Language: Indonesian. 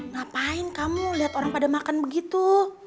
ngapain kamu lihat orang pada makan begitu